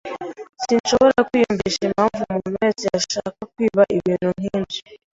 Sinshobora kwiyumvisha impamvu umuntu wese yashaka kwiba ibintu nkibyo.